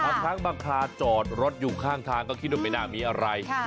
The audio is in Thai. บางครั้งบางคราจอดรถอยู่ข้างทางก็คิดว่าไม่น่ามีอะไร